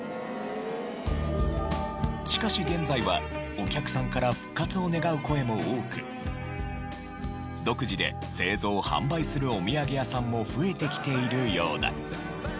しかし現在はお客さんから復活を願う声も多く独自で製造・販売するおみやげ屋さんも増えてきているようだ。